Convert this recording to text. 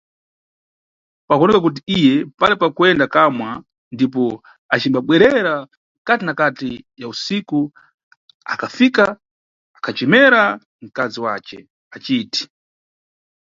Pakuwona kuti iye pale kuyenda kamwa ndipo acimbabwerera kati na kati ya usiku, akafika akhacemera nkazi wace aciti.